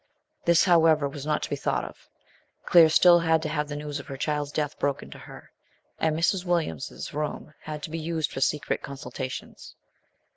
This, however, was not to be thousht of. Claire still had to have the news of her child's death broken to her, and Mrs. Williams's room had to be used for secret consultations.